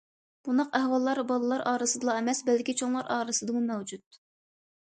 بۇنداق ئەھۋاللار بالىلار ئارىسىدىلا ئەمەس، بەلكى چوڭلار ئارىسىدىمۇ مەۋجۇت.